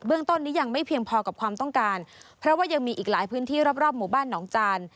ต้นนี้ยังไม่เพียงพอกับความต้องการเพราะว่ายังมีอีกหลายพื้นที่รอบรอบหมู่บ้านหนองจาน